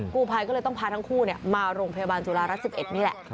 กู้ภัยก็เลยต้องพาทั้งคู่มาโรงพยาบาลจุฬารัฐ๑๑นี่แหละ